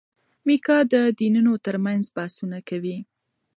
میکا د دینونو ترمنځ بحثونه کوي.